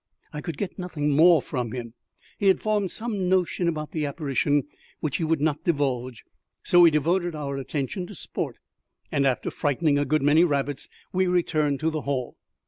I could get nothing more from him. He had formed some notion about the apparition which he would not divulge, so we devoted our attention to sport, and, after frightening a good many rabbits, we returned to the hall.